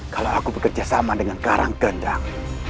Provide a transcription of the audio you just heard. kalau aku bekerja sama dengan karang kendang